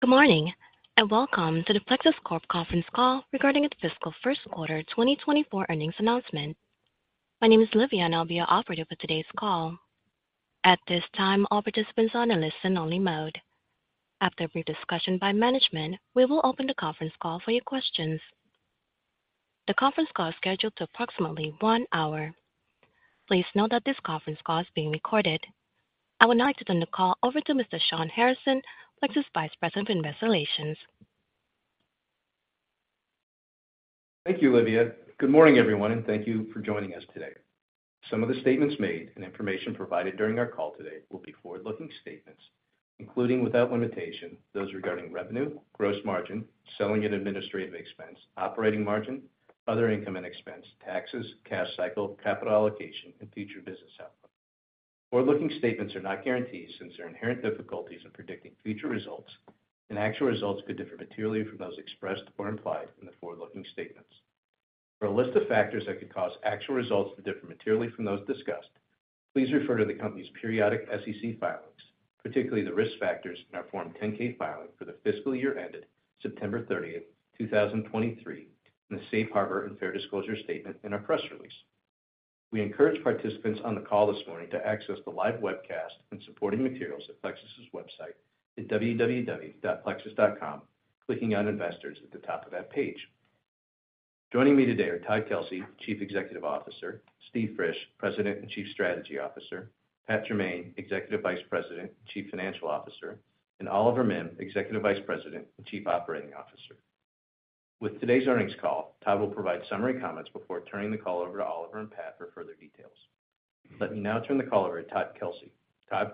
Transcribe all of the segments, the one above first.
Good morning, and welcome to the Plexus Corp. conference call regarding its fiscal first quarter 2024 earnings announcement. My name is Livia, and I'll be your operator for today's call. At this time, all participants are on a listen-only mode. After a brief discussion by management, we will open the conference call for your questions. The conference call is scheduled to approximately one hour. Please note that this conference call is being recorded. I would now like to turn the call over to Mr. Shawn Harrison, Plexus Vice President of Investor Relations. Thank you, Livia. Good morning, everyone, and thank you for joining us today. Some of the statements made and information provided during our call today will be forward-looking statements, including without limitation, those regarding revenue, gross margin, selling and administrative expense, operating margin, other income and expense, taxes, cash cycle, capital allocation, and future business output. Forward-looking statements are not guarantees since there are inherent difficulties in predicting future results, and actual results could differ materially from those expressed or implied in the forward-looking statements. For a list of factors that could cause actual results to differ materially from those discussed, please refer to the company's periodic SEC filings, particularly the risk factors in our Form 10-K filing for the fiscal year ended September 30th, 2023, and the Safe Harbor and Fair Disclosure statement in our press release. We encourage participants on the call this morning to access the live webcast and supporting materials at Plexus's website at www.plexus.com, clicking on Investors at the top of that page. Joining me today are Todd Kelsey, Chief Executive Officer; Steve Frisch, President and Chief Strategy Officer; Pat Jermain, Executive Vice President and Chief Financial Officer; and Oliver Mihm, Executive Vice President and Chief Operating Officer. With today's earnings call, Todd will provide summary comments before turning the call over to Oliver and Pat for further details. Let me now turn the call over to Todd Kelsey. Todd?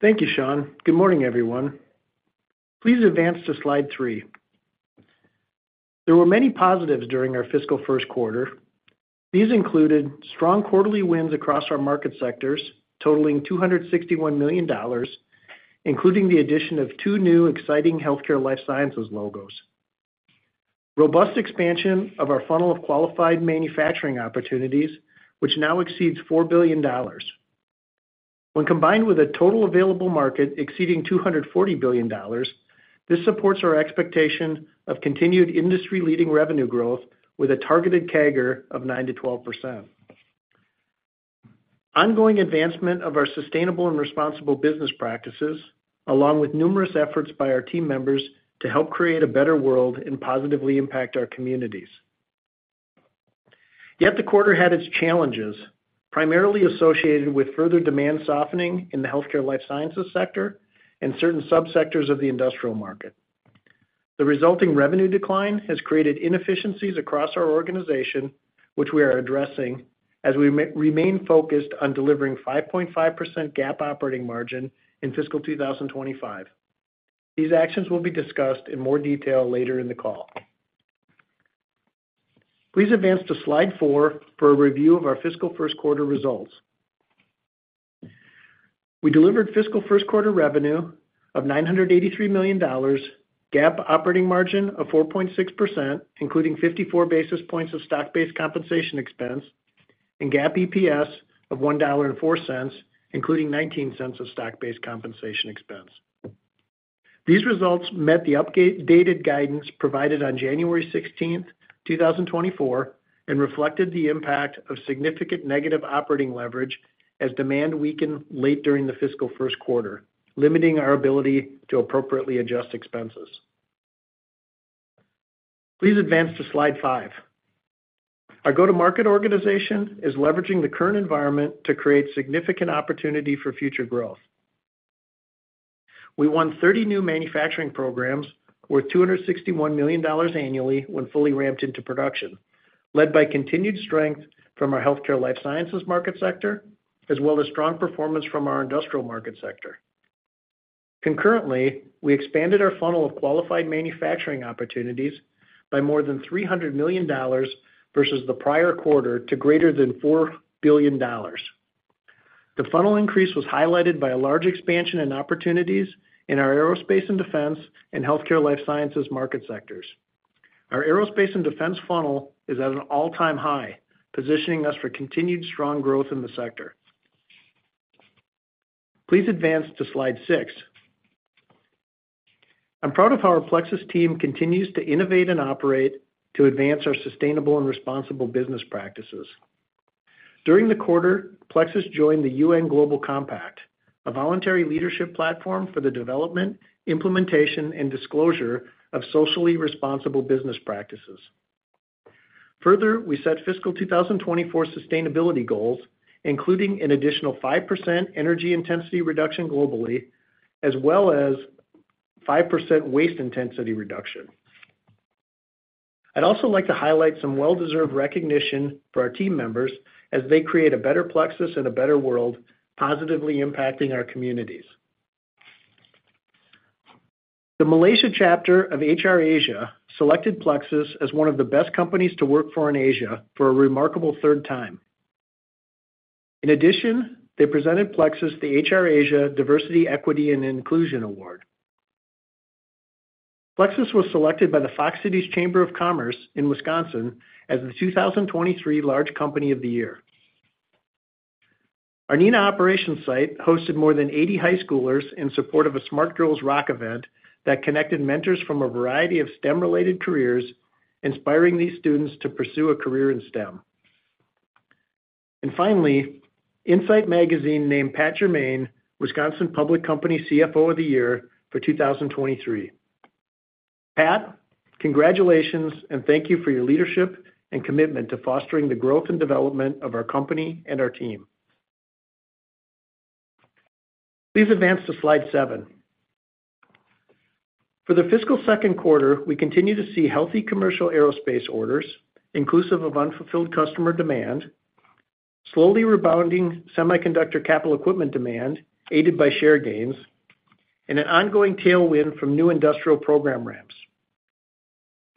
Thank you, Shawn. Good morning, everyone. Please advance to slide three. There were many positives during our fiscal first quarter. These included strong quarterly wins across our market sectors, totaling $261 million, including the addition of two new exciting healthcare life sciences logos. Robust expansion of our funnel of qualified manufacturing opportunities, which now exceeds $4 billion. When combined with a total available market exceeding $240 billion, this supports our expectation of continued industry-leading revenue growth with a targeted CAGR of 9%-12%. Ongoing advancement of our sustainable and responsible business practices, along with numerous efforts by our team members to help create a better world and positively impact our communities. Yet the quarter had its challenges, primarily associated with further demand softening in the healthcare life sciences sector and certain subsectors of the industrial market. The resulting revenue decline has created inefficiencies across our organization, which we are addressing as we remain focused on delivering 5.5% GAAP operating margin in fiscal 2025. These actions will be discussed in more detail later in the call. Please advance to slide four for a review of our fiscal first quarter results. We delivered fiscal first quarter revenue of $983 million, GAAP operating margin of 4.6%, including 54 basis points of stock-based compensation expense, and GAAP EPS of $1.04, including $0.19 of stock-based compensation expense. These results met the updated guidance provided on January 16th, 2024, and reflected the impact of significant negative operating leverage as demand weakened late during the fiscal first quarter, limiting our ability to appropriately adjust expenses. Please advance to slide five. Our go-to-market organization is leveraging the current environment to create significant opportunity for future growth. We won 30 new manufacturing programs worth $261 million annually when fully ramped into production, led by continued strength from our healthcare life sciences market sector, as well as strong performance from our industrial market sector. Concurrently, we expanded our funnel of qualified manufacturing opportunities by more than $300 million versus the prior quarter to greater than $4 billion. The funnel increase was highlighted by a large expansion in opportunities in our aerospace and defense and healthcare life sciences market sectors. Our aerospace and defense funnel is at an all-time high, positioning us for continued strong growth in the sector. Please advance to slide six. I'm proud of how our Plexus team continues to innovate and operate to advance our sustainable and responsible business practices. During the quarter, Plexus joined the UN Global Compact, a voluntary leadership platform for the development, implementation, and disclosure of socially responsible business practices. Further, we set fiscal 2024 sustainability goals, including an additional 5% energy intensity reduction globally, as well as 5% waste intensity reduction. I'd also like to highlight some well-deserved recognition for our team members as they create a better Plexus and a better world, positively impacting our communities. The Malaysia chapter of HR Asia selected Plexus as one of the best companies to work for in Asia for a remarkable third time. In addition, they presented Plexus the HR Asia Diversity, Equity and Inclusion Award. Plexus was selected by the Fox Cities Chamber of Commerce in Wisconsin as the 2023 Large Company of the Year. Our Neenah operations site hosted more than 80 high schoolers in support of a Smart Girls Rock event that connected mentors from a variety of STEM-related careers, inspiring these students to pursue a career in STEM. And finally, InSight on Business magazine named Pat Jermain Wisconsin Public Company CFO of the Year for 2023. Pat, congratulations and thank you for your leadership and commitment to fostering the growth and development of our company and our team. Please advance to slide seven. For the fiscal second quarter, we continue to see healthy commercial aerospace orders, inclusive of unfulfilled customer demand, slowly rebounding semiconductor capital equipment demand, aided by share gains, and an ongoing tailwind from new industrial program ramps.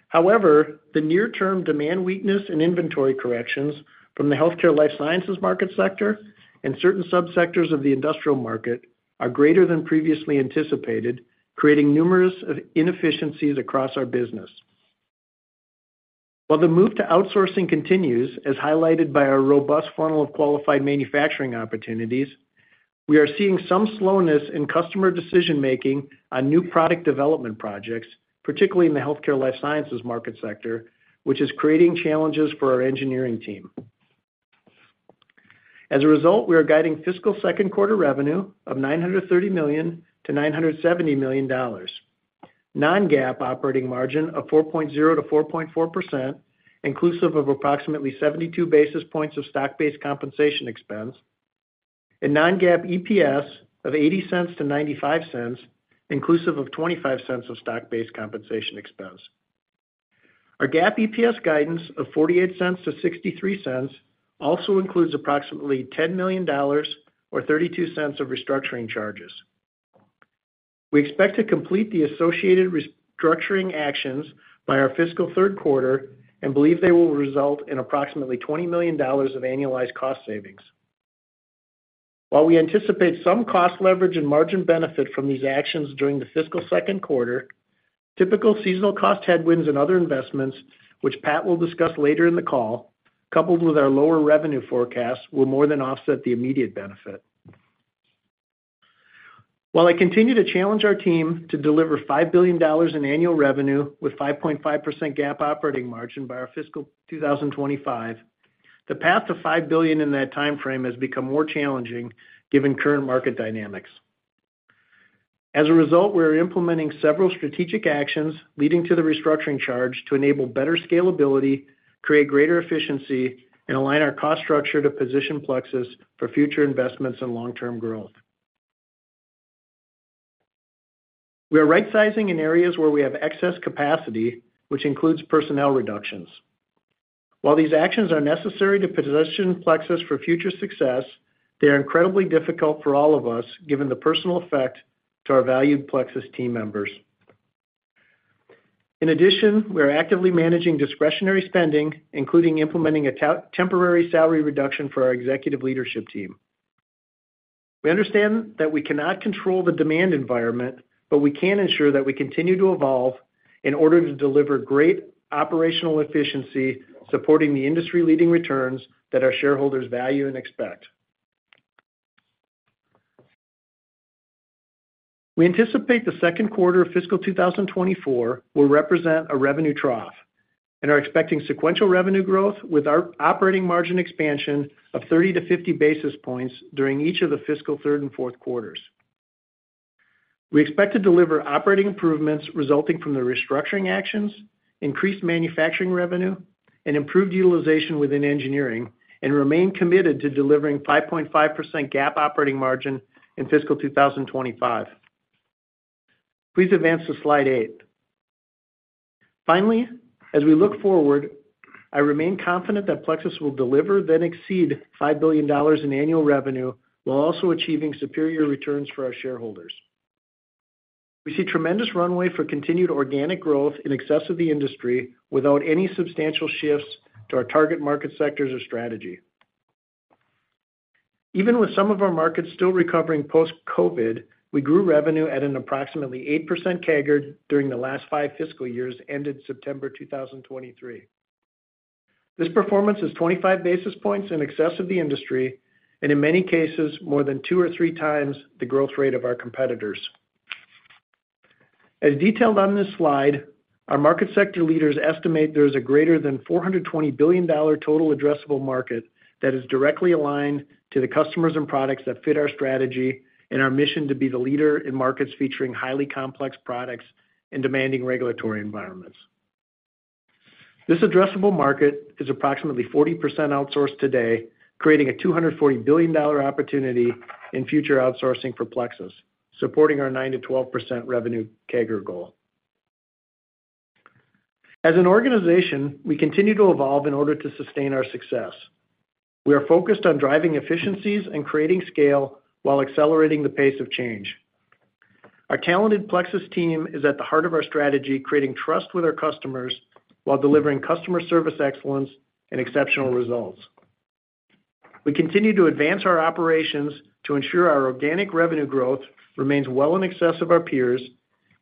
However, the near-term demand weakness and inventory corrections from the healthcare life sciences market sector and certain subsectors of the industrial market are greater than previously anticipated, creating a number of inefficiencies across our business. While the move to outsourcing continues, as highlighted by our robust funnel of qualified manufacturing opportunities, we are seeing some slowness in customer decision-making on new product development projects, particularly in the healthcare life sciences market sector, which is creating challenges for our engineering team. As a result, we are guiding fiscal second quarter revenue of $930 million-$970 million. Non-GAAP operating margin of 4.0%-4.4%, inclusive of approximately 72 basis points of stock-based compensation expense, and Non-GAAP EPS of $0.80-$0.95, inclusive of $0.25 of stock-based compensation expense. Our GAAP EPS guidance of $0.48-$0.63 also includes approximately $10 million or $0.32 of restructuring charges. We expect to complete the associated restructuring actions by our fiscal third quarter and believe they will result in approximately $20 million of annualized cost savings. While we anticipate some cost leverage and margin benefit from these actions during the fiscal second quarter, typical seasonal cost headwinds and other investments, which Pat will discuss later in the call, coupled with our lower revenue forecast, will more than offset the immediate benefit. While I continue to challenge our team to deliver $5 billion in annual revenue with 5.5% GAAP operating margin by our fiscal 2025, the path to $5 billion in that time frame has become more challenging, given current market dynamics. As a result, we are implementing several strategic actions leading to the restructuring charge to enable better scalability, create greater efficiency, and align our cost structure to position Plexus for future investments and long-term growth. We are rightsizing in areas where we have excess capacity, which includes personnel reductions. While these actions are necessary to position Plexus for future success, they are incredibly difficult for all of us, given the personal effect to our valued Plexus team members. In addition, we are actively managing discretionary spending, including implementing a temporary salary reduction for our executive leadership team. We understand that we cannot control the demand environment, but we can ensure that we continue to evolve in order to deliver great operational efficiency, supporting the industry-leading returns that our shareholders value and expect. We anticipate the second quarter of fiscal 2024 will represent a revenue trough and are expecting sequential revenue growth with our operating margin expansion of 30 basis points-50 basis points during each of the fiscal third and fourth quarters. We expect to deliver operating improvements resulting from the restructuring actions, increased manufacturing revenue, and improved utilization within engineering, and remain committed to delivering 5.5% GAAP operating margin in fiscal 2025. Please advance to slide eight. Finally, as we look forward, I remain confident that Plexus will deliver then exceed $5 billion in annual revenue, while also achieving superior returns for our shareholders. We see tremendous runway for continued organic growth in excess of the industry without any substantial shifts to our target market sectors or strategy. Even with some of our markets still recovering post-COVID, we grew revenue at an approximately 8% CAGR during the last five fiscal years, ended September 2023. This performance is 25 basis points in excess of the industry, and in many cases, more than 2x or 3x the growth rate of our competitors. As detailed on this slide, our market sector leaders estimate there is a greater than $420 billion total addressable market that is directly aligned to the customers and products that fit our strategy and our mission to be the leader in markets featuring highly complex products and demanding regulatory environments. This addressable market is approximately 40% outsourced today, creating a $240 billion opportunity in future outsourcing for Plexus, supporting our 9%-12% revenue CAGR goal. As an organization, we continue to evolve in order to sustain our success. We are focused on driving efficiencies and creating scale while accelerating the pace of change. Our talented Plexus team is at the heart of our strategy, creating trust with our customers while delivering customer service excellence and exceptional results. We continue to advance our operations to ensure our organic revenue growth remains well in excess of our peers,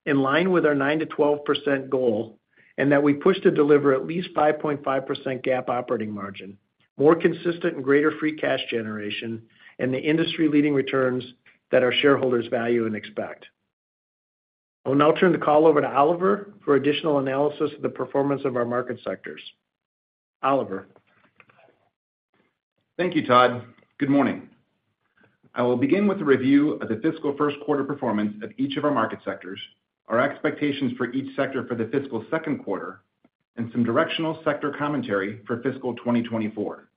in line with our 9%-12% goal, and that we push to deliver at least 5.5% GAAP operating margin, more consistent and greater free cash generation, and the industry-leading returns that our shareholders value and expect. I'll now turn the call over to Oliver for additional analysis of the performance of our market sectors. Oliver? Thank you, Todd. Good morning. I will begin with a review of the fiscal first quarter performance of each of our market sectors, our expectations for each sector for the fiscal second quarter, and some directional sector commentary for fiscal 2024.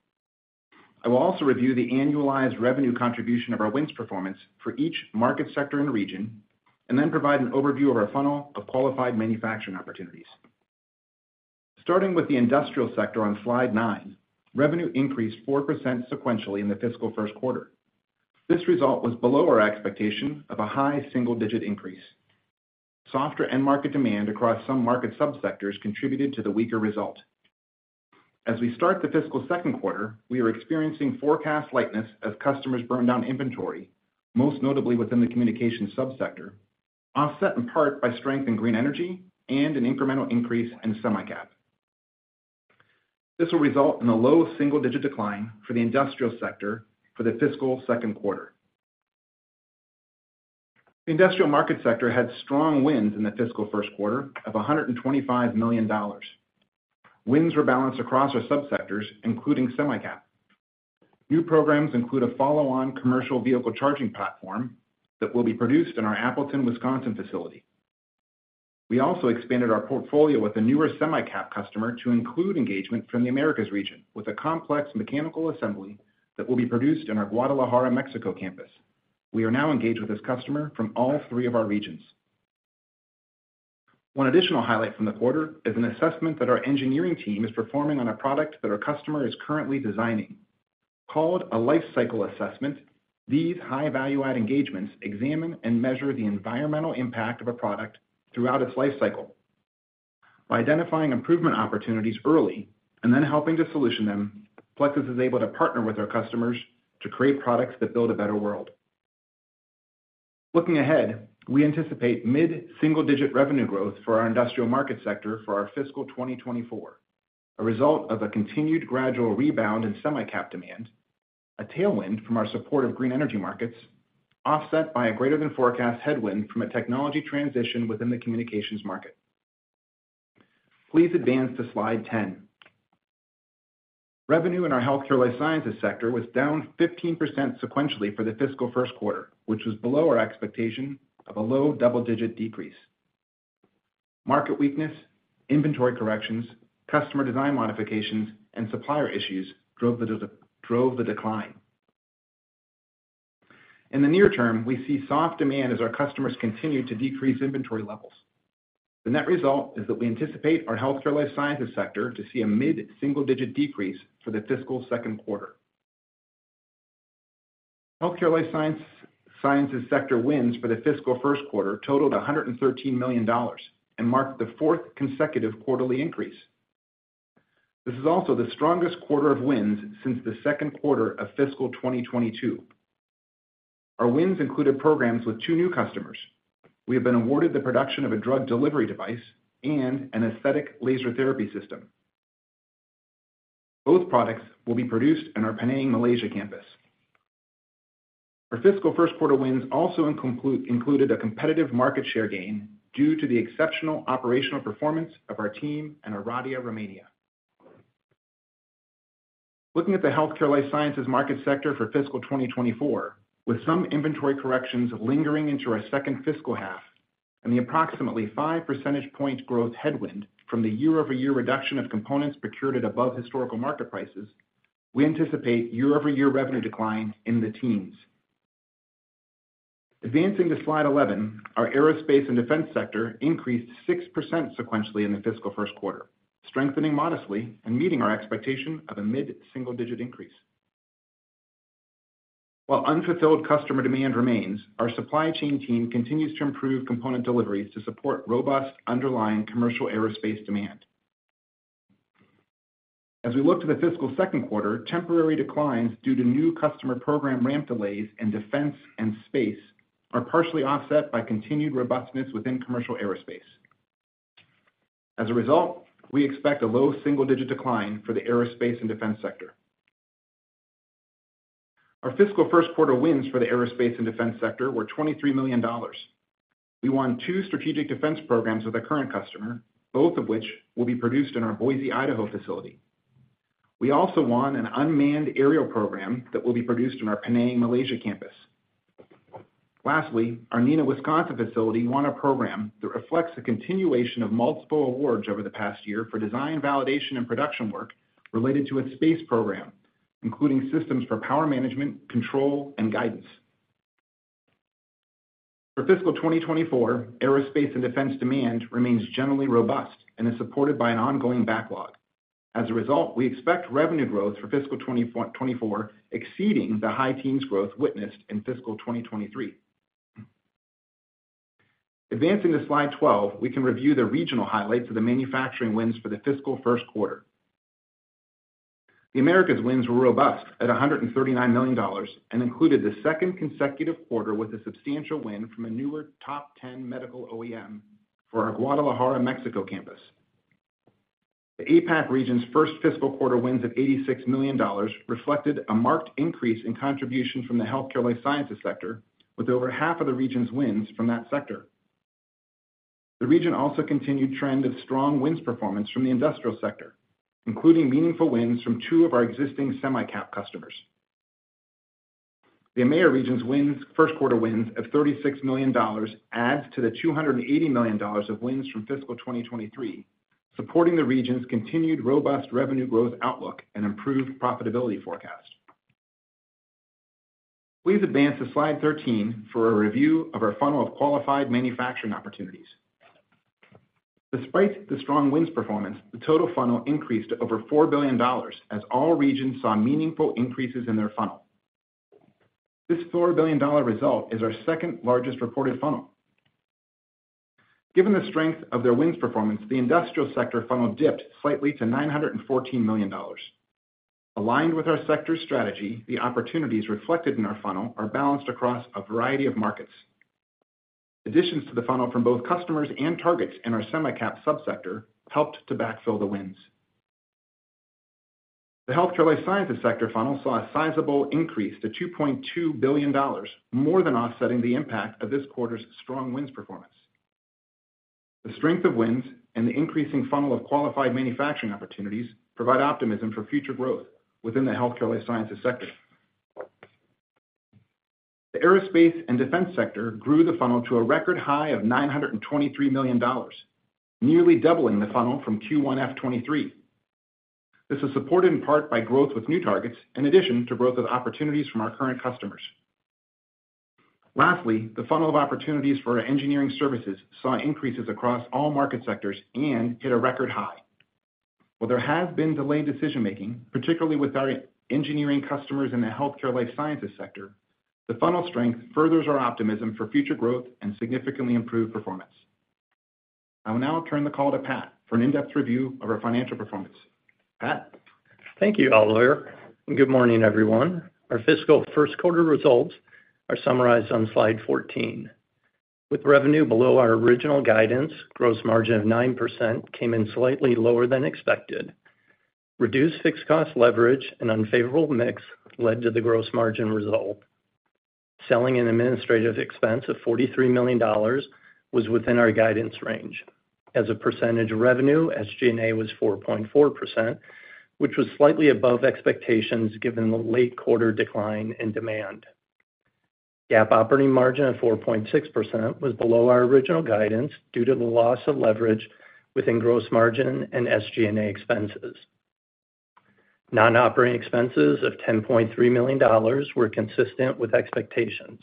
I will also review the annualized revenue contribution of our wins performance for each market sector and region, and then provide an overview of our funnel of qualified manufacturing opportunities. Starting with the industrial sector on slide nine, revenue increased 4% sequentially in the fiscal first quarter. This result was below our expectation of a high single-digit increase. Softer end market demand across some market subsectors contributed to the weaker result. As we start the fiscal second quarter, we are experiencing forecast lightness as customers burn down inventory, most notably within the communication subsector, offset in part by strength in green energy and an incremental increase in semi-cap. This will result in a low single-digit decline for the industrial sector for the fiscal second quarter. The industrial market sector had strong wins in the fiscal first quarter of $125 million. Wins were balanced across our subsectors, including semi-cap. New programs include a follow-on commercial vehicle charging platform that will be produced in our Appleton, Wisconsin, facility. We also expanded our portfolio with a newer semi-cap customer to include engagement from the Americas region, with a complex mechanical assembly that will be produced in our Guadalajara, Mexico, campus. We are now engaged with this customer from all three of our regions. One additional highlight from the quarter is an assessment that our engineering team is performing on a product that our customer is currently designing. Called a Life Cycle Assessment, these high value-add engagements examine and measure the environmental impact of a product throughout its life cycle. By identifying improvement opportunities early and then helping to solution them, Plexus is able to partner with our customers to create products that build a better world. Looking ahead, we anticipate mid-single-digit revenue growth for our industrial market sector for our fiscal 2024, a result of a continued gradual rebound in semi-cap demand, a tailwind from our support of green energy markets, offset by a greater than forecast headwind from a technology transition within the communications market. Please advance to Slide 10. Revenue in our healthcare life sciences sector was down 15% sequentially for the fiscal first quarter, which was below our expectation of a low double-digit decrease. Market weakness, inventory corrections, customer design modifications, and supplier issues drove the decline. In the near term, we see soft demand as our customers continue to decrease inventory levels. The net result is that we anticipate our healthcare life sciences sector to see a mid-single-digit decrease for the fiscal second quarter. Healthcare Life Sciences sector wins for the fiscal first quarter totaled $113 million and marked the fourth consecutive quarterly increase. This is also the strongest quarter of wins since the second quarter of fiscal 2022. Our wins included programs with two new customers. We have been awarded the production of a drug delivery device and an aesthetic laser therapy system. Both products will be produced in our Penang, Malaysia, campus. Our fiscal first quarter wins also include, included a competitive market share gain due to the exceptional operational performance of our team and our Oradea, Romania. Looking at the healthcare life sciences market sector for fiscal 2024, with some inventory corrections lingering into our second fiscal half and the approximately 5 percentage point growth headwind from the year-over-year reduction of components procured at above historical market prices, we anticipate year-over-year revenue decline in the teens. Advancing to Slide 11, our aerospace and defense sector increased 6% sequentially in the fiscal first quarter, strengthening modestly and meeting our expectation of a mid-single-digit increase. While unfulfilled customer demand remains, our supply chain team continues to improve component deliveries to support robust underlying commercial aerospace demand. As we look to the fiscal second quarter, temporary declines due to new customer program ramp delays in defense and space are partially offset by continued robustness within commercial aerospace. As a result, we expect a low single-digit decline for the aerospace and defense sector. Our fiscal first quarter wins for the aerospace and defense sector were $23 million. We won two strategic defense programs with a current customer, both of which will be produced in our Boise, Idaho, facility. We also won an unmanned aerial program that will be produced in our Penang, Malaysia, campus. Lastly, our Neenah, Wisconsin, facility won a program that reflects the continuation of multiple awards over the past year for design, validation, and production work related to its space program, including systems for power management, control, and guidance. For fiscal 2024, aerospace and defense demand remains generally robust and is supported by an ongoing backlog. As a result, we expect revenue growth for fiscal 2024 exceeding the high teens growth witnessed in fiscal 2023. Advancing to Slide 12, we can review the regional highlights of the manufacturing wins for the fiscal first quarter. The Americas wins were robust at $139 million, and included the second consecutive quarter with a substantial win from a newer top ten medical OEM for our Guadalajara, Mexico campus. The APAC region's first fiscal quarter wins of $86 million reflected a marked increase in contribution from the healthcare life sciences sector, with over half of the region's wins from that sector. The region also continued trend of strong wins performance from the industrial sector, including meaningful wins from two of our existing semi-cap customers. The EMEA region's wins, first quarter wins of $36 million adds to the $280 million of wins from fiscal 2023, supporting the region's continued robust revenue growth outlook and improved profitability forecast. Please advance to Slide 13 for a review of our funnel of qualified manufacturing opportunities. Despite the strong wins performance, the total funnel increased to over $4 billion, as all regions saw meaningful increases in their funnel. This $4 billion result is our second-largest reported funnel. Given the strength of their wins performance, the industrial sector funnel dipped slightly to $914 million. Aligned with our sector's strategy, the opportunities reflected in our funnel are balanced across a variety of markets. Additions to the funnel from both customers and targets in our semi-cap subsector helped to backfill the wins. The healthcare life sciences sector funnel saw a sizable increase to $2.2 billion, more than offsetting the impact of this quarter's strong wins performance. The strength of wins and the increasing funnel of qualified manufacturing opportunities provide optimism for future growth within the healthcare life sciences sector. The aerospace and defense sector grew the funnel to a record high of $923 million, nearly doubling the funnel from Q1 FY 2023. This is supported in part by growth with new targets, in addition to growth of opportunities from our current customers. Lastly, the funnel of opportunities for our engineering services saw increases across all market sectors and hit a record high. While there has been delayed decision-making, particularly with our engineering customers in the healthcare life sciences sector, the funnel strength furthers our optimism for future growth and significantly improved performance. I will now turn the call to Pat for an in-depth review of our financial performance. Pat? Thank you, Oliver, and good morning, everyone. Our fiscal first quarter results are summarized on Slide 14. With revenue below our original guidance, gross margin of 9% came in slightly lower than expected. Reduced fixed cost leverage and unfavorable mix led to the gross margin result. Selling and administrative expense of $43 million was within our guidance range. As a percentage of revenue, SG&A was 4.4%, which was slightly above expectations given the late quarter decline in demand. GAAP operating margin of 4.6% was below our original guidance due to the loss of leverage within gross margin and SG&A expenses. Non-operating expenses of $10.3 million were consistent with expectations.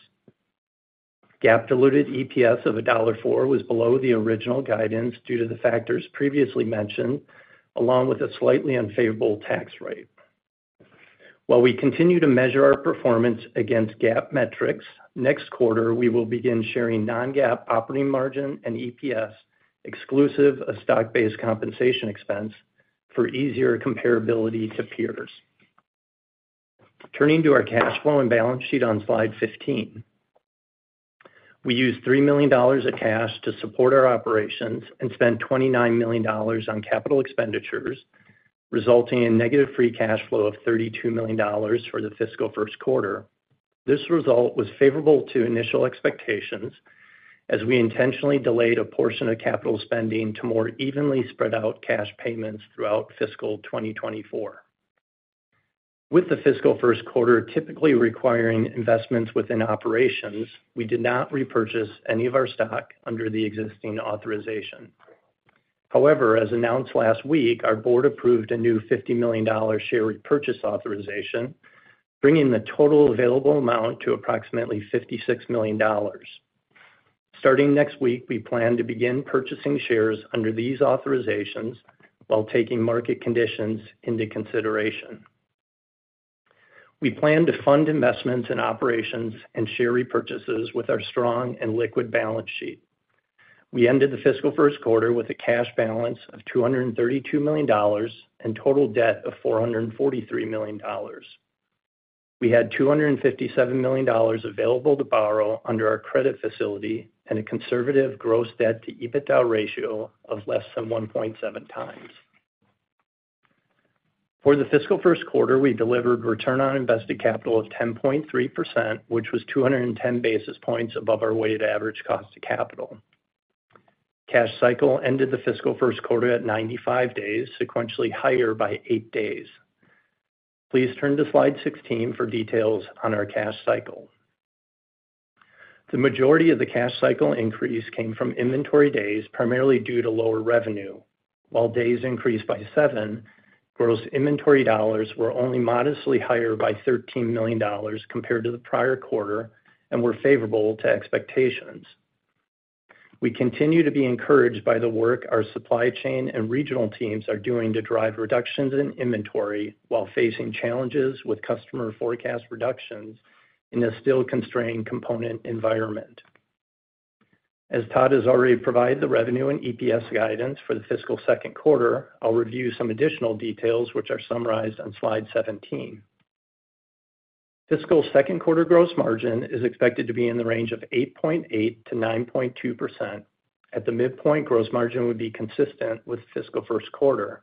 GAAP diluted EPS of $1.04 was below the original guidance due to the factors previously mentioned, along with a slightly unfavorable tax rate. While we continue to measure our performance against GAAP metrics, next quarter, we will begin sharing Non-GAAP operating margin and EPS, exclusive of stock-based compensation expense, for easier comparability to peers. Turning to our cash flow and balance sheet on Slide 15. We used $3 million of cash to support our operations and spent $29 million on capital expenditures, resulting in negative free cash flow of $32 million for the fiscal first quarter. This result was favorable to initial expectations, as we intentionally delayed a portion of capital spending to more evenly spread out cash payments throughout fiscal 2024. With the fiscal first quarter typically requiring investments within operations, we did not repurchase any of our stock under the existing authorization. However, as announced last week, our board approved a new $50 million share repurchase authorization, bringing the total available amount to approximately $56 million. Starting next week, we plan to begin purchasing shares under these authorizations while taking market conditions into consideration. We plan to fund investments in operations and share repurchases with our strong and liquid balance sheet. We ended the fiscal first quarter with a cash balance of $232 million and total debt of $443 million. We had $257 million available to borrow under our credit facility and a conservative gross debt to EBITDA ratio of less than 1.7x. For the fiscal first quarter, we delivered return on invested capital of 10.3%, which was 210 basis points above our weighted average cost of capital. Cash cycle ended the fiscal first quarter at 95 days, sequentially higher by eight days, primarily due to lower revenue. While days increased by seven, gross inventory dollars were only modestly higher by $13 million compared to the prior quarter and were favorable to expectations. We continue to be encouraged by the work our supply chain and regional teams are doing to drive reductions in inventory while facing challenges with customer forecast reductions in a still constrained component environment. As Todd has already provided the revenue and EPS guidance for the fiscal second quarter, I'll review some additional details which are summarized on Slide 17. Fiscal second quarter gross margin is expected to be in the range of 8.8%-9.2%. At the midpoint, gross margin would be consistent with fiscal first quarter.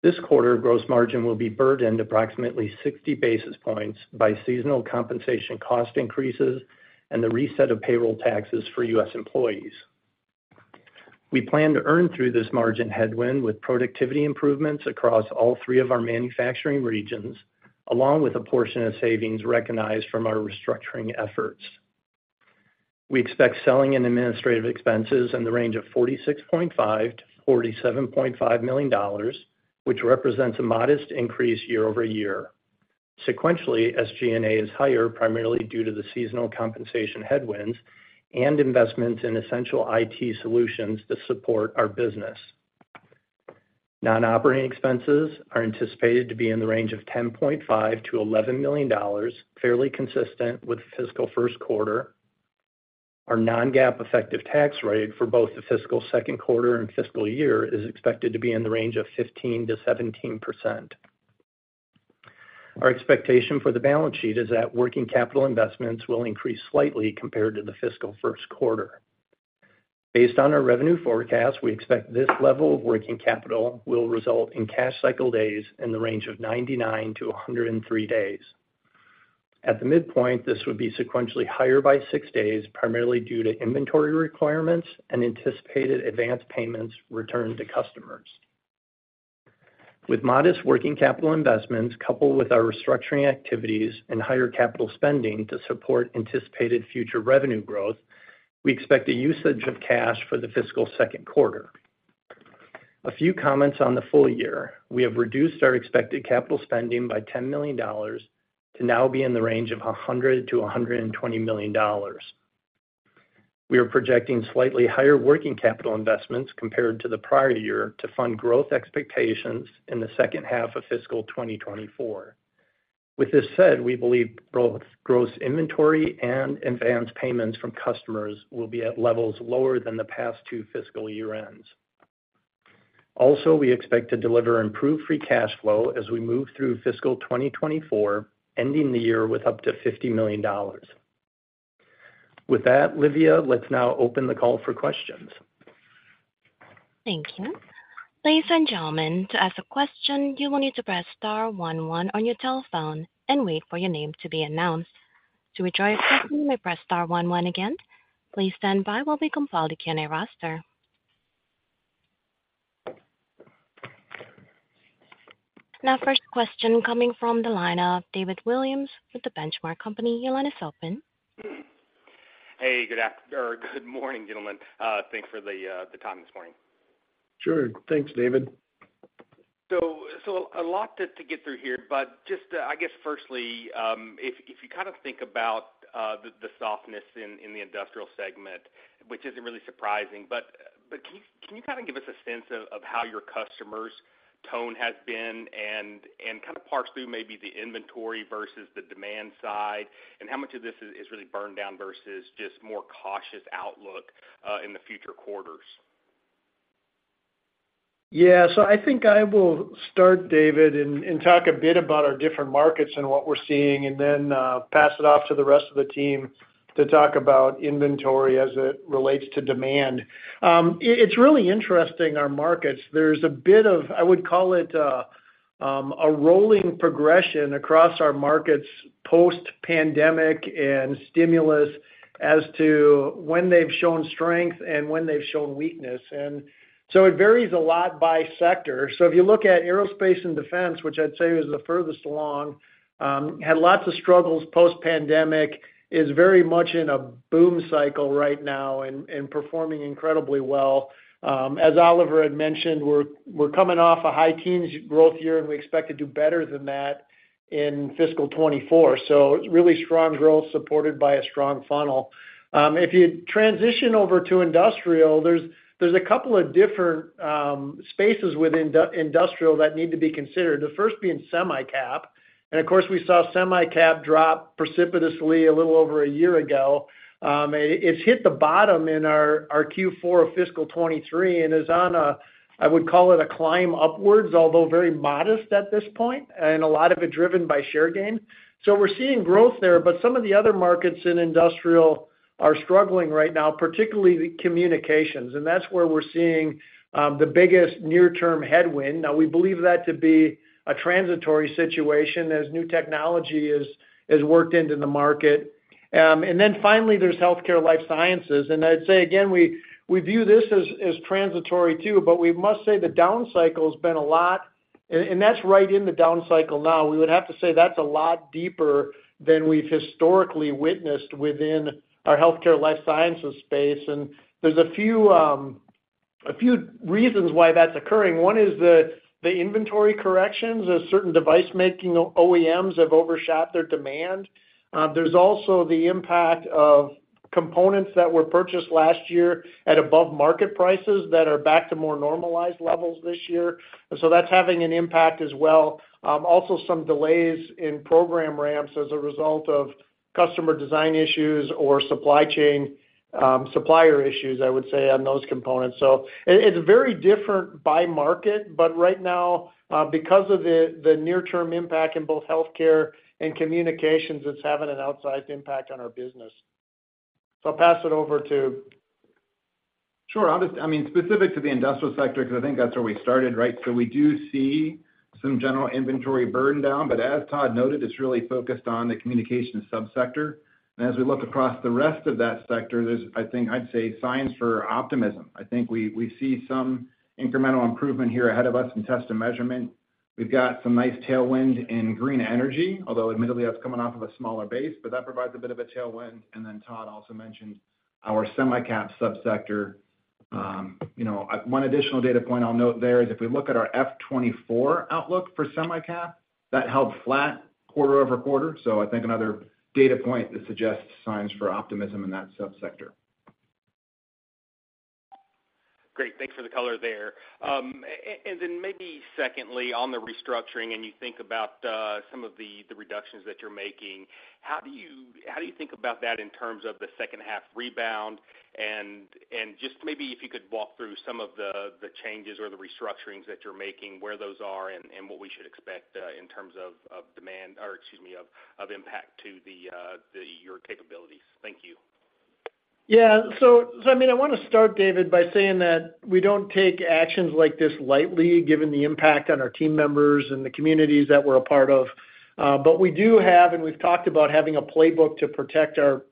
This quarter, gross margin will be burdened approximately 60 basis points by seasonal compensation cost increases and the reset of payroll taxes for U.S. employees. We plan to earn through this margin headwind with productivity improvements across all three of our manufacturing regions, along with a portion of savings recognized from our restructuring efforts. We expect selling and administrative expenses in the range of $46.5 million-$47.5 million, which represents a modest increase year-over-year. Sequentially, SG&A is higher, primarily due to the seasonal compensation headwinds and investments in essential IT solutions to support our business. Non-operating expenses are anticipated to be in the range of $10.5 million-$11 million, fairly consistent with fiscal first quarter. Our Non-GAAP effective tax rate for both the fiscal second quarter and fiscal year is expected to be in the range of 15%-17%. Our expectation for the balance sheet is that working capital investments will increase slightly compared to the fiscal first quarter. Based on our revenue forecast, we expect this level of working capital will result in cash cycle days in the range of 99 days-103 days. At the midpoint, this would be sequentially higher by six days, primarily due to inventory requirements and anticipated advanced payments returned to customers. With modest working capital investments, coupled with our restructuring activities and higher capital spending to support anticipated future revenue growth, we expect a usage of cash for the fiscal second quarter. A few comments on the full year: we have reduced our expected capital spending by $10 million, to now be in the range of $100 million-$120 million. We are projecting slightly higher working capital investments compared to the prior year to fund growth expectations in the second half of fiscal 2024. With this said, we believe both gross inventory and advanced payments from customers will be at levels lower than the past two fiscal year ends. Also, we expect to deliver improved free cash flow as we move through fiscal 2024, ending the year with up to $50 million. With that, Livia, let's now open the call for questions. Thank you. Ladies and gentlemen, to ask a question, you will need to press star one one on your telephone and wait for your name to be announced. To withdraw your question, you may press star one one again. Please stand by while we compile the Q&A roster. Now, first question coming from the line of David Williams with The Benchmark Company. Your line is open. Hey, good morning, gentlemen. Thanks for the time this morning. Sure. Thanks, David. So a lot to get through here, but just I guess firstly, if you kind of think about the softness in the industrial segment, which isn't really surprising, but can you kind of give us a sense of how your customers' tone has been and kind of parse through maybe the inventory versus the demand side, and how much of this is really burned down versus just more cautious outlook in the future quarters? Yeah. So I think I will start, David, and talk a bit about our different markets and what we're seeing, and then pass it off to the rest of the team to talk about inventory as it relates to demand. It's really interesting, our markets. There's a bit of, I would call it, a rolling progression across our markets post-pandemic and stimulus as to when they've shown strength and when they've shown weakness, and so it varies a lot by sector. So if you look at aerospace and defense, which I'd say is the furthest along, had lots of struggles post-pandemic, is very much in a boom cycle right now and performing incredibly well. As Oliver had mentioned, we're coming off a high teens growth year, and we expect to do better than that in fiscal 2024. So it's really strong growth supported by a strong funnel. If you transition over to industrial, there's a couple of different spaces within industrial that need to be considered, the first being semi-cap. And of course, we saw semi-cap drop precipitously a little over a year ago. It's hit the bottom in our Q4 of fiscal 2023 and is on a, I would call it a climb upwards, although very modest at this point, and a lot of it driven by share gain. So we're seeing growth there, but some of the other markets in industrial are struggling right now, particularly the communications, and that's where we're seeing the biggest near-term headwind. Now, we believe that to be a transitory situation as new technology is worked into the market. And then finally, there's healthcare life sciences. And I'd say again, we view this as transitory too, but we must say the downcycle has been a lot and that's right in the downcycle now. We would have to say that's a lot deeper than we've historically witnessed within our healthcare life sciences space. And there's a few, a few reasons why that's occurring. One is the inventory corrections, as certain device-making OEMs have overshot their demand. There's also the impact of components that were purchased last year at above-market prices that are back to more normalized levels this year. So that's having an impact as well. Also some delays in program ramps as a result of customer design issues or supply chain... supplier issues, I would say, on those components. So it's very different by market, but right now, because of the near-term impact in both healthcare and communications, it's having an outsized impact on our business. So I'll pass it over to- Sure. Obviously, I mean, specific to the industrial sector, because I think that's where we started, right? So we do see some general inventory burden down, but as Todd noted, it's really focused on the communication subsector. And as we look across the rest of that sector, there's, I think, I'd say, signs for optimism. I think we see some incremental improvement here ahead of us in test and measurement. We've got some nice tailwind in green energy, although admittedly, that's coming off of a smaller base, but that provides a bit of a tailwind. And then Todd also mentioned our semi-cap subsector. You know, one additional data point I'll note there is if we look at our F 2024 outlook for semi-cap, that held flat quarter-over-quarter. So I think another data point that suggests signs for optimism in that subsector. Great. Thanks for the color there. And then maybe secondly, on the restructuring, and you think about, some of the, the reductions that you're making, how do you, how do you think about that in terms of the second half rebound? And just maybe if you could walk through some of the, the changes or the restructurings that you're making, where those are, and, and what we should expect, in terms of, of demand, or excuse me, of, of impact to the, the, your capabilities. Thank you. Yeah. So, so I mean, I wanna start, David, by saying that we don't take actions like this lightly, given the impact on our team members and the communities that we're a part of. But we do have, and we've talked about having a playbook to protect our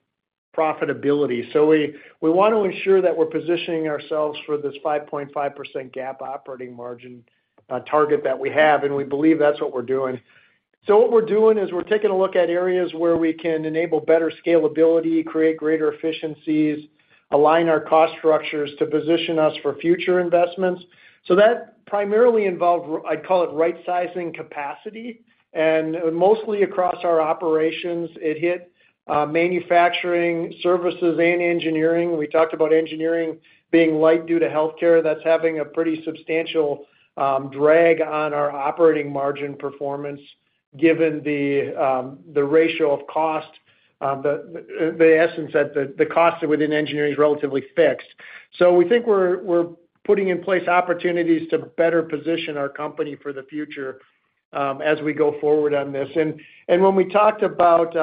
profitability. So we, we want to ensure that we're positioning ourselves for this 5.5% GAAP operating margin target that we have, and we believe that's what we're doing. So what we're doing is we're taking a look at areas where we can enable better scalability, create greater efficiencies, align our cost structures to position us for future investments. So that primarily involved, I'd call it, right-sizing capacity, and mostly across our operations, it hit manufacturing, services, and engineering. We talked about engineering being light due to healthcare. That's having a pretty substantial drag on our operating margin performance, given the ratio of cost, the essence that the cost within engineering is relatively fixed. So we think we're putting in place opportunities to better position our company for the future, as we go forward on this. And when we talked about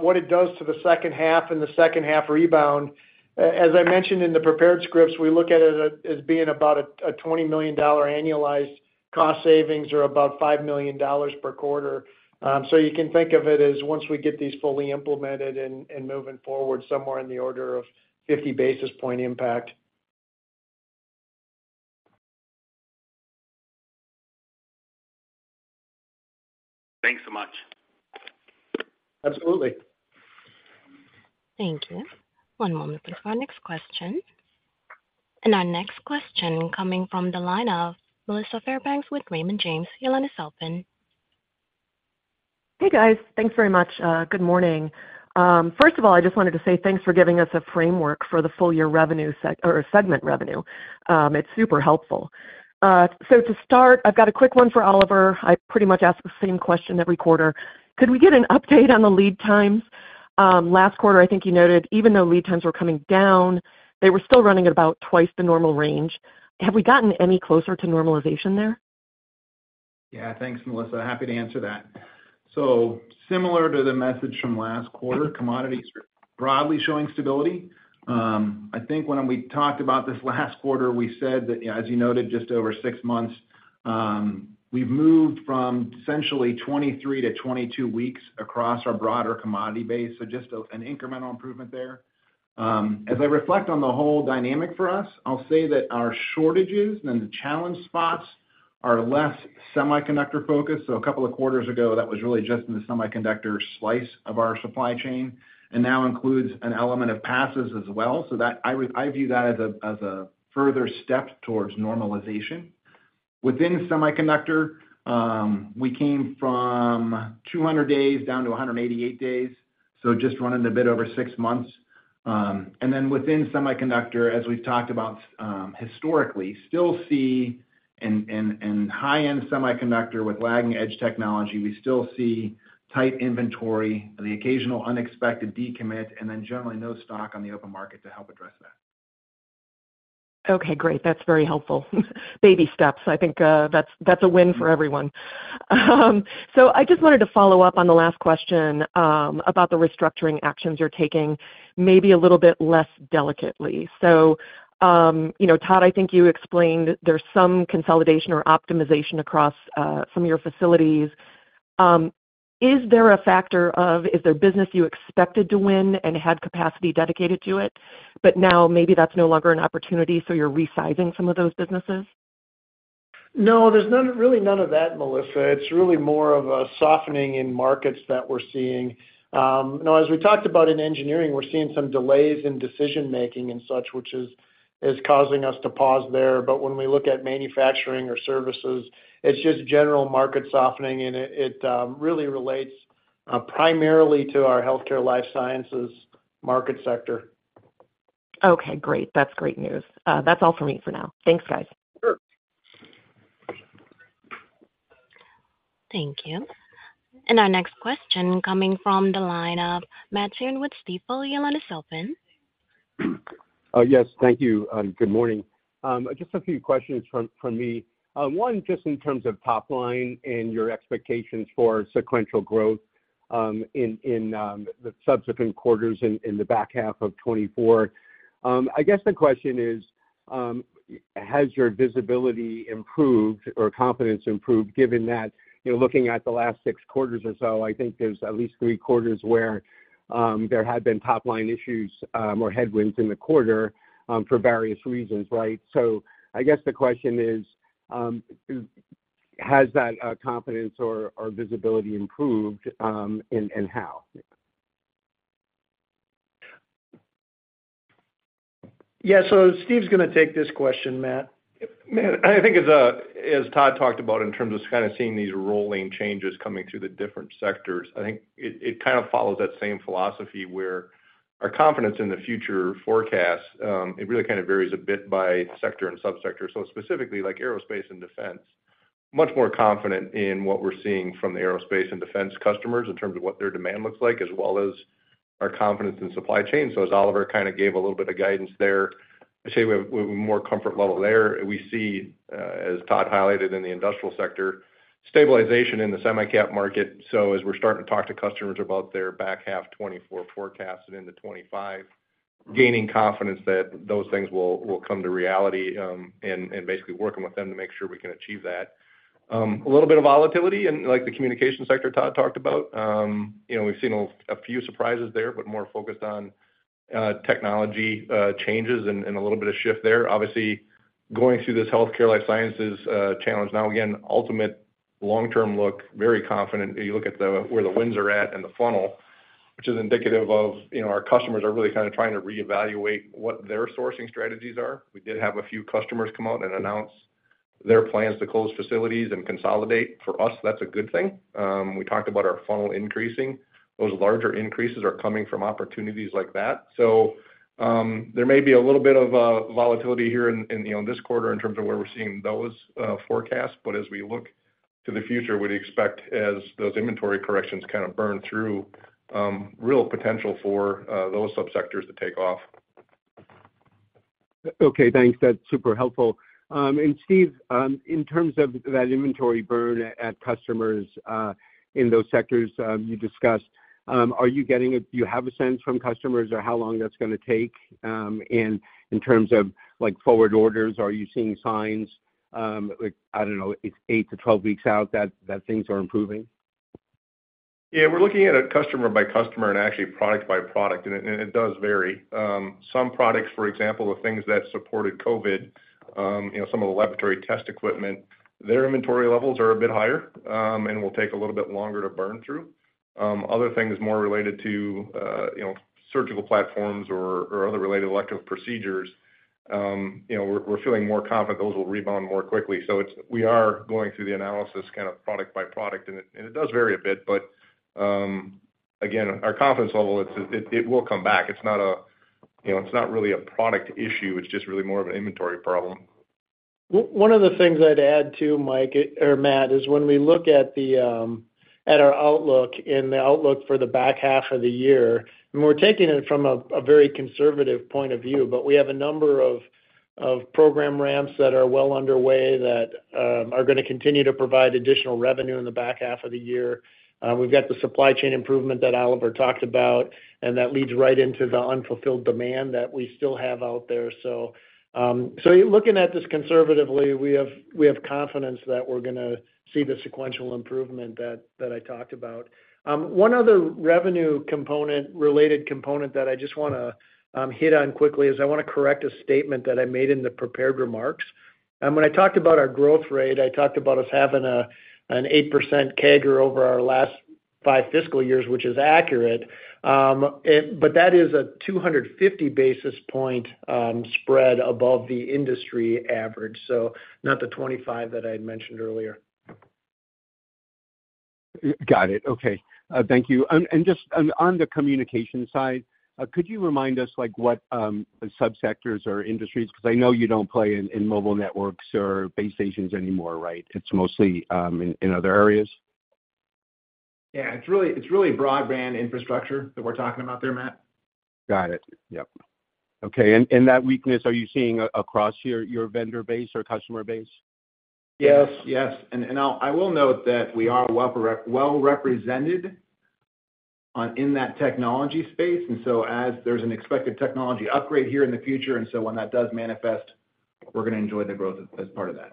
what it does to the second half and the second half rebound, as I mentioned in the prepared scripts, we look at it as being about a $20 million annualized cost savings or about $5 million per quarter. So you can think of it as once we get these fully implemented and moving forward, somewhere in the order of 50 basis points impact. Thanks so much. Absolutely. Thank you. One moment, please, for our next question. Our next question coming from the line of Melissa Fairbanks with Raymond James. You may now ask your question. Hey, guys. Thanks very much. Good morning. First of all, I just wanted to say thanks for giving us a framework for the full year revenue or segment revenue. It's super helpful. So to start, I've got a quick one for Oliver. I pretty much ask the same question every quarter. Could we get an update on the lead? Last quarter, I think you noted, even though lead times were coming down, they were still running at about twice the normal range. Have we gotten any closer to normalization there? Yeah, thanks, Melissa. Happy to answer that. So similar to the message from last quarter, commodities are broadly showing stability. I think when we talked about this last quarter, we said that, as you noted, just over six months, we've moved from essentially 23 weeks-22 weeks across our broader commodity base. So just an incremental improvement there. As I reflect on the whole dynamic for us, I'll say that our shortages and the challenge spots are less semiconductor-focused. So a couple of quarters ago, that was really just in the semiconductor slice of our supply chain, and now includes an element of passives as well. So that I would, I view that as a further step towards normalization. Within semiconductor, we came from 200 days down to 188 days, so just running a bit over six months. And then within semiconductor, as we've talked about, historically, still see in high-end semiconductor with lagging edge technology, we still see tight inventory, the occasional unexpected decommit, and then generally, no stock on the open market to help address that. Okay, great. That's very helpful. Baby steps. I think, that's, that's a win for everyone. So I just wanted to follow up on the last question, about the restructuring actions you're taking, maybe a little bit less delicately. So, you know, Todd, I think you explained there's some consolidation or optimization across, some of your facilities. Is there a factor of, is there business you expected to win and had capacity dedicated to it, but now maybe that's no longer an opportunity, so you're resizing some of those businesses? No, there's none, really none of that, Melissa. It's really more of a softening in markets that we're seeing. You know, as we talked about in engineering, we're seeing some delays in decision-making and such, which is causing us to pause there. But when we look at manufacturing or services, it's just general market softening, and it really relates primarily to our healthcare life sciences market sector. Okay, great. That's great news. That's all for me for now. Thanks, guys. Sure. Thank you. Our next question coming from the line of Matthew Sheerin with Stifel. Your line is open. Yes, thank you, good morning. Just a few questions from me. One, just in terms of top line and your expectations for sequential growth, in the subsequent quarters in the back half of 2024. I guess the question is, has your visibility improved or confidence improved, given that, you know, looking at the last six quarters or so, I think there's at least three quarters where there had been top line issues, or headwinds in the quarter, for various reasons, right? So I guess the question is, has that confidence or visibility improved, and how? Yeah, so Steve's gonna take this question, Matt. Matt, I think as, as Todd talked about in terms of kind of seeing these rolling changes coming through the different sectors, I think it, it kind of follows that same philosophy where our confidence in the future forecast, it really kind of varies a bit by sector and subsector. So specifically, like aerospace and defense, much more confident in what we're seeing from the aerospace and defense customers in terms of what their demand looks like, as well as our confidence in supply chain. So as Oliver kind of gave a little bit of guidance there, I'd say we have more comfort level there. We see, as Todd highlighted in the industrial sector, stabilization in the semi-cap market. So as we're starting to talk to customers about their back half 2024 forecast and into 2025, gaining confidence that those things will come to reality, and basically working with them to make sure we can achieve that. A little bit of volatility in, like, the communication sector Todd talked about. You know, we've seen a few surprises there, but more focused on technology changes and a little bit of shift there. Obviously, going through this healthcare life sciences challenge now, again, ultimate long-term look, very confident. You look at the... where the wins are at in the funnel, which is indicative of, you know, our customers are really kind of trying to reevaluate what their sourcing strategies are. We did have a few customers come out and announce their plans to close facilities and consolidate. For us, that's a good thing. We talked about our funnel increasing. Those larger increases are coming from opportunities like that. So, there may be a little bit of volatility here in, you know, this quarter in terms of where we're seeing those forecasts. But as we look to the future, we'd expect as those inventory corrections kind of burn through, real potential for those subsectors to take off. Okay, thanks. That's super helpful. And Steve, in terms of that inventory burn at customers, in those sectors you discussed, are you getting do you have a sense from customers or how long that's gonna take? And in terms of, like, forward orders, are you seeing signs, like, I don't know, it's 8 weeks-12 weeks out that things are improving? Yeah, we're looking at it customer by customer and actually product by product, and it, and it does vary. Some products, for example, the things that supported COVID, you know, some of the laboratory test equipment, their inventory levels are a bit higher, and will take a little bit longer to burn through. Other things more related to, you know, surgical platforms or other related elective procedures, you know, we're, we're feeling more confident those will rebound more quickly. So it's, we are going through the analysis kind of product by product, and it, and it does vary a bit, but, again, our confidence level, it's, it, it will come back. It's not a, you know, it's not really a product issue, it's just really more of an inventory problem. One of the things I'd add, too, Mike or Matt, is when we look at our outlook and the outlook for the back half of the year, and we're taking it from a very conservative point of view, but we have a number of program ramps that are well underway that are gonna continue to provide additional revenue in the back half of the year. We've got the supply chain improvement that Oliver talked about, and that leads right into the unfulfilled demand that we still have out there. So, looking at this conservatively, we have confidence that we're gonna see the sequential improvement that I talked about. One other revenue component, related component that I just wanna hit on quickly is I wanna correct a statement that I made in the prepared remarks. When I talked about our growth rate, I talked about us having an 8% CAGR over our last five fiscal years, which is accurate. But that is a 250 basis point spread above the industry average, so not the 25 that I had mentioned earlier. Got it. Okay, thank you. And just on the communication side, could you remind us, like, what the subsectors or industries? Because I know you don't play in mobile networks or base stations anymore, right? It's mostly in other areas. Yeah, it's really, it's really broadband infrastructure that we're talking about there, Matt. Got it. Yep. Okay, and that weakness, are you seeing across your vendor base or customer base? Yes, yes. And I will note that we are well represented in that technology space, and so as there's an expected technology upgrade here in the future, and so when that does manifest, we're gonna enjoy the growth as part of that.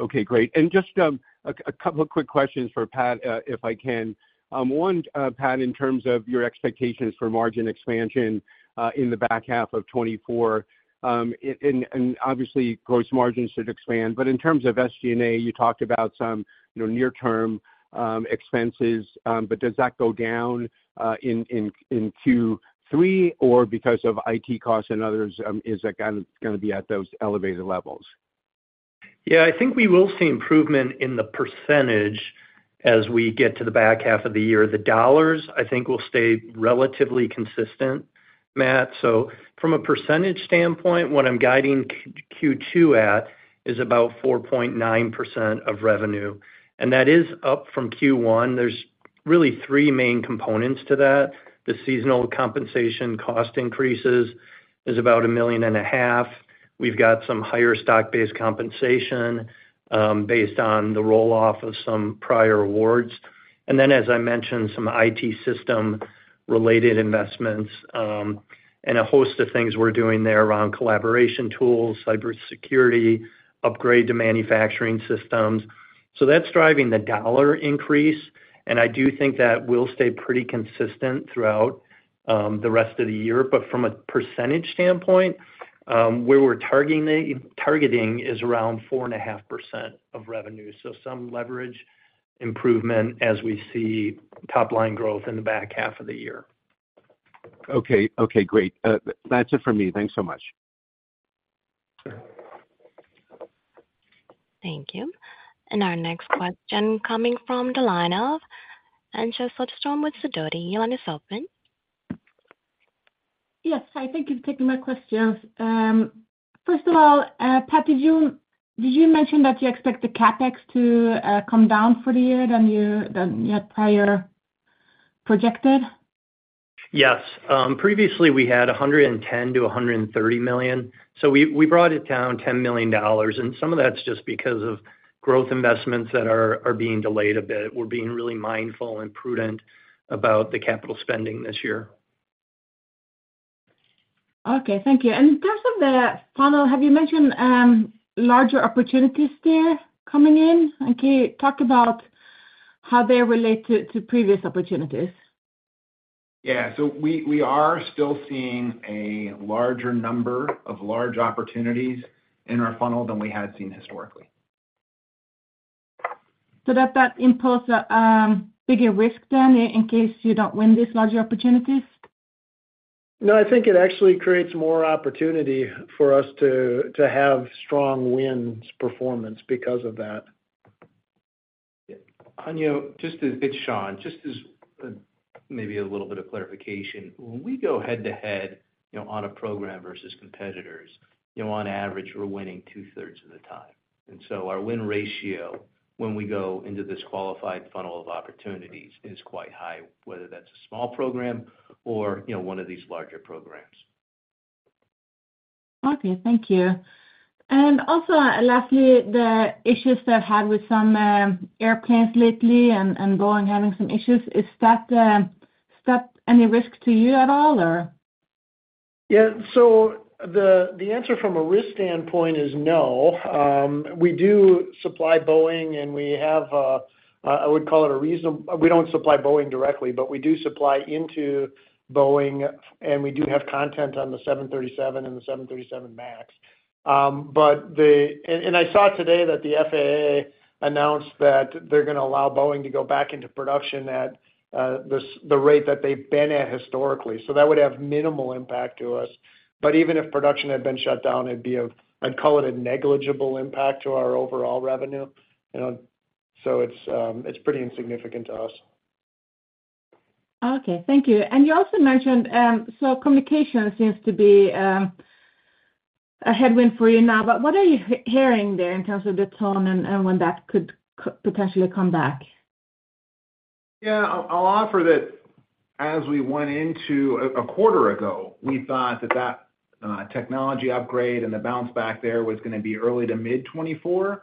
Okay, great. And just a couple of quick questions for Pat, if I can. One, Pat, in terms of your expectations for margin expansion in the back half of 2024, and obviously gross margins should expand, but in terms of SG&A, you talked about some, you know, near-term expenses, but does that go down in Q3, or because of IT costs and others, is that gonna be at those elevated levels? Yeah, I think we will see improvement in the percentage-... as we get to the back half of the year, the dollars, I think, will stay relatively consistent, Matt. So from a percentage standpoint, what I'm guiding Q2 at is about 4.9% of revenue, and that is up from Q1. There's really three main components to that. The seasonal compensation cost increases is about $1.5 million. We've got some higher stock-based compensation, based on the roll-off of some prior awards. And then, as I mentioned, some IT system-related investments, and a host of things we're doing there around collaboration tools, cybersecurity, upgrade to manufacturing systems. So that's driving the dollar increase, and I do think that will stay pretty consistent throughout, the rest of the year. But from a percentage standpoint, where we're targeting is around 4.5% of revenue. Some leverage improvement as we see top line growth in the back half of the year. Okay. Okay, great. That's it for me. Thanks so much. Thank you. Our next question coming from the line of Anja Soderstrom with Sidoti & Company. Your line is open. Yes, hi. Thank you for taking my questions. First of all, Pat, did you mention that you expect the CapEx to come down for the year than your prior projected? Yes. Previously, we had $110 million-$130 million, so we, we brought it down $10 million, and some of that's just because of growth investments that are, are being delayed a bit. We're being really mindful and prudent about the capital spending this year. Okay, thank you. And in terms of the funnel, have you mentioned larger opportunities there coming in? Can you talk about how they're related to previous opportunities? Yeah, so we are still seeing a larger number of large opportunities in our funnel than we had seen historically. Does that impose a bigger risk than, in case you don't win these larger opportunities? No, I think it actually creates more opportunity for us to have strong wins performance because of that. Anja, just as. It's Shawn. Just as, maybe a little bit of clarification. When we go head-to-head, you know, on a program versus competitors, you know, on average, we're winning 2/3 of the time. And so our win ratio, when we go into this qualified funnel of opportunities, is quite high, whether that's a small program or, you know, one of these larger programs. Okay, thank you. And also, lastly, the issues they've had with some airplanes lately and Boeing having some issues, is that any risk to you at all, or? Yeah. So the answer from a risk standpoint is no. We do supply Boeing, and we have, I would call it a reason—we don't supply Boeing directly, but we do supply into Boeing, and we do have content on the 737 and the 737 MAX. But the—and I saw today that the FAA announced that they're gonna allow Boeing to go back into production at this, the rate that they've been at historically. So that would have minimal impact to us. But even if production had been shut down, it'd be a, I'd call it a negligible impact to our overall revenue, you know? So it's pretty insignificant to us. Okay, thank you. You also mentioned, so communication seems to be a headwind for you now, but what are you hearing there in terms of the tone and when that could potentially come back? Yeah, I'll offer that as we went into a quarter ago, we thought that technology upgrade and the bounce back there was gonna be early to mid-2024.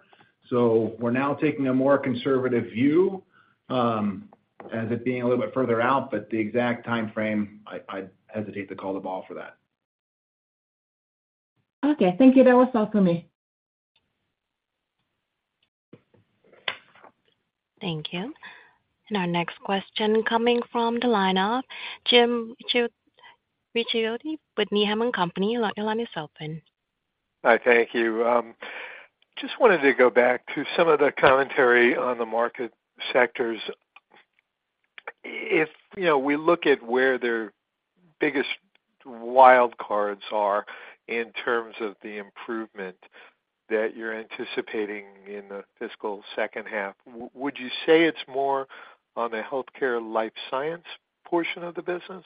So we're now taking a more conservative view as it being a little bit further out, but the exact timeframe, I'd hesitate to call the ball for that. Okay. Thank you. That was all for me. Thank you. Our next question coming from the line of Jim Ricchiuti with Needham & Company. Your line is open. Hi, thank you. Just wanted to go back to some of the commentary on the market sectors. If, you know, we look at where their biggest wild cards are in terms of the improvement that you're anticipating in the fiscal second half, would you say it's more on the healthcare life science portion of the business?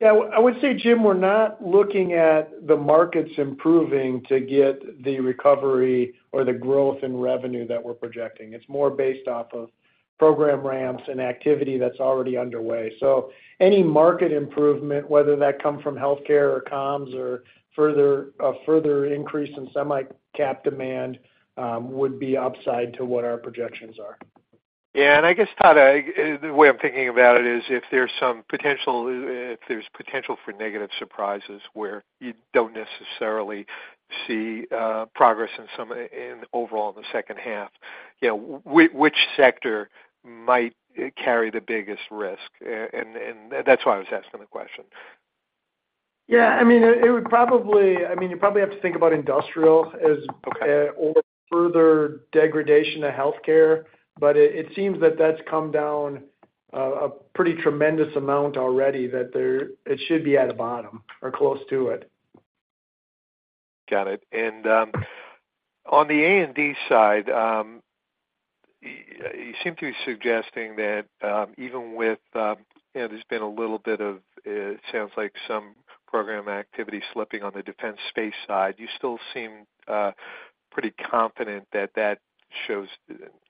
Yeah, I would say, Jim, we're not looking at the markets improving to get the recovery or the growth in revenue that we're projecting. It's more based off of program ramps and activity that's already underway. So any market improvement, whether that come from healthcare or comms or further, a further increase in semi-cap demand, would be upside to what our projections are. Yeah, and I guess, Todd, the way I'm thinking about it is, if there's some potential, if there's potential for negative surprises where you don't necessarily see progress in overall in the second half, you know, which sector might carry the biggest risk? And that's why I was asking the question. Yeah, I mean, it would probably-- I mean, you probably have to think about industrial as- Okay. or further degradation to healthcare, but it seems that that's come down a pretty tremendous amount already, that there it should be at a bottom or close to it.... Got it. And on the A&D side, you seem to be suggesting that, even with you know, there's been a little bit of sounds like some program activity slipping on the defense space side, you still seem pretty confident that that shows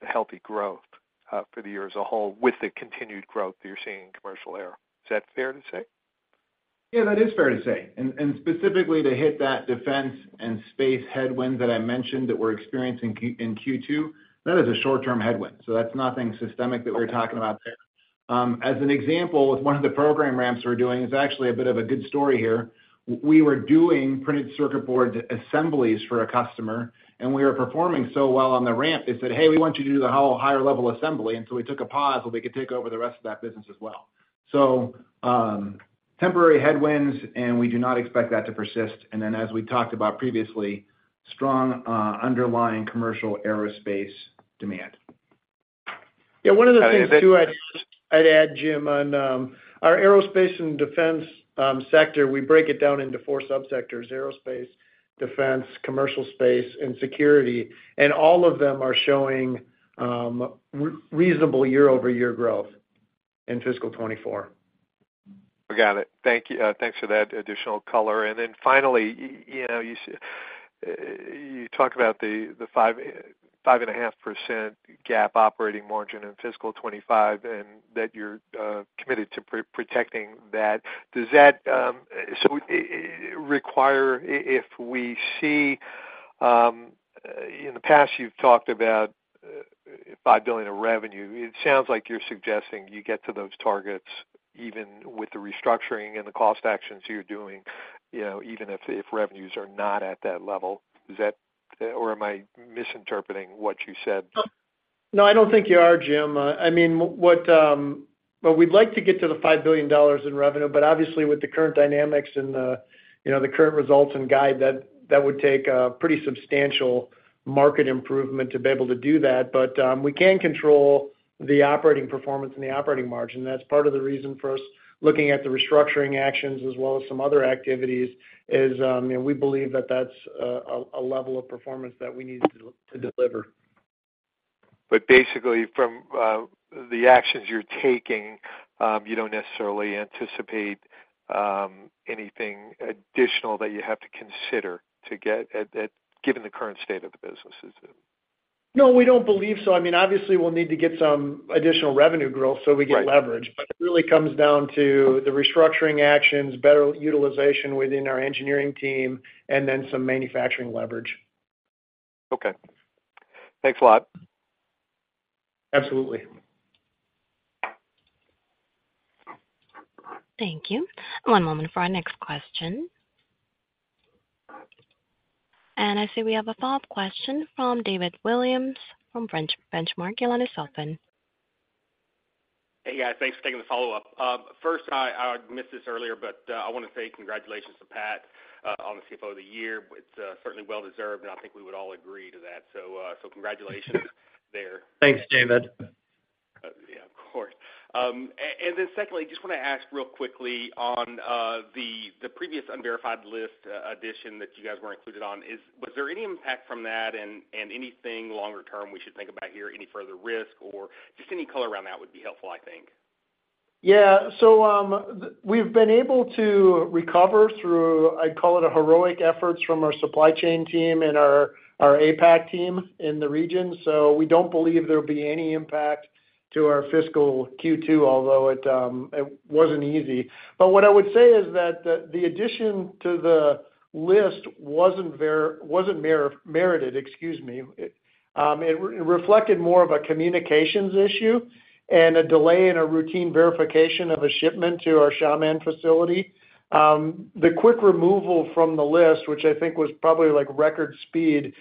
healthy growth, for the year as a whole, with the continued growth that you're seeing in commercial air. Is that fair to say? Yeah, that is fair to say. And specifically, to hit that defense and space headwind that I mentioned that we're experiencing in Q2, that is a short-term headwind, so that's nothing systemic that we're talking about there. As an example, with one of the program ramps we're doing, it's actually a bit of a good story here. We were doing printed circuit board assemblies for a customer, and we were performing so well on the ramp, they said, "Hey, we want you to do the whole higher level assembly." And so we took a pause so they could take over the rest of that business as well. So, temporary headwinds, and we do not expect that to persist. And then, as we talked about previously, strong underlying commercial aerospace demand. Yeah, one of the things, too, I'd add, Jim, on our aerospace and defense sector, we break it down into four subsectors: aerospace, defense, commercial space, and security. All of them are showing reasonable year-over-year growth in fiscal 2024. Got it. Thank you. Thanks for that additional color. And then finally, you know, you talk about the 5%-5.5% GAAP operating margin in fiscal 2025 and that you're committed to protecting that. Does that so require if we see in the past, you've talked about $5 billion of revenue. It sounds like you're suggesting you get to those targets, even with the restructuring and the cost actions you're doing, you know, even if revenues are not at that level. Is that, or am I misinterpreting what you said? No, I don't think you are, Jim. I mean, what, well, we'd like to get to the $5 billion in revenue, but obviously with the current dynamics and, you know, the current results and guide, that would take a pretty substantial market improvement to be able to do that. But, we can control the operating performance and the operating margin. That's part of the reason for us looking at the restructuring actions as well as some other activities, is, you know, we believe that that's a level of performance that we need to deliver. But basically, from the actions you're taking, you don't necessarily anticipate anything additional that you have to consider to get at given the current state of the business, is it? No, we don't believe so. I mean, obviously, we'll need to get some additional revenue growth so we get leverage. Right. It really comes down to the restructuring actions, better utilization within our engineering team, and then some manufacturing leverage. Okay. Thanks a lot. Absolutely. Thank you. One moment for our next question. I see we have a follow-up question from David Williams of Benchmark. Your line is open. Hey, guys. Thanks for taking the follow-up. First, I missed this earlier, but I want to say congratulations to Pat on the CFO of the Year. It's certainly well deserved, and I think we would all agree to that. So congratulations there. Thanks, David. Yeah, of course. And then secondly, just wanna ask real quickly on the previous Unverified List addition that you guys were included on, was there any impact from that and anything longer term we should think about here, any further risk or just any color around that would be helpful, I think? Yeah. So, we've been able to recover through, I'd call it, a heroic efforts from our supply chain team and our APAC team in the region. So we don't believe there will be any impact to our fiscal Q2, although it wasn't easy. But what I would say is that the addition to the list wasn't merited, excuse me. It reflected more of a communications issue and a delay in a routine verification of a shipment to our Xiamen facility. The quick removal from the list, which I think was probably like record speed,